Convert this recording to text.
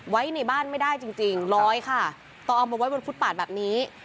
ไว้ในบ้านไม่ได้จริงล้อยค่ะต่อออกมันไว้บนพุดปากแบบนี้